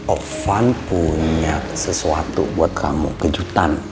ovan punya sesuatu buat kamu kejutan